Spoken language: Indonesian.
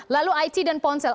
lalu it dan ponsel